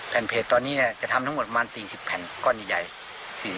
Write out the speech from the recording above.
แผ่นเพลจตอนนี้จะทำทั้งหมดประมาณ๔๐แผ่นก้อนใหญ่